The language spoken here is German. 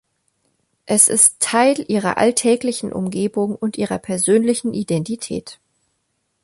Es ist Teil ihrer alltäglichen Umgebung und ihrer persönlichen Identität.